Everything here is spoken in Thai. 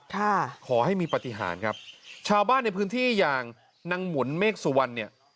ขอให้มีปฏิหารครับชาวบ้านในพื้นที่อย่างนางหมุนเมฆสุวรรณเนี่ย